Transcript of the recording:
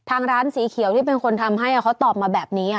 ทางร้านสีเขียวที่เป็นคนทำให้เขาตอบมาแบบนี้ค่ะ